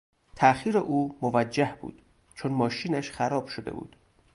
تاخیر او موجه بود چون ماشینش خراب شده بود.